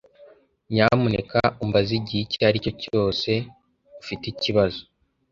Nyamuneka umbaze igihe icyo ari cyo cyose ufite ikibazo.